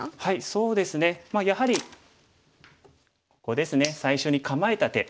そうですねやはりここですね最初に構えた手。